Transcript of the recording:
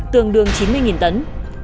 tương đương chín mươi tấn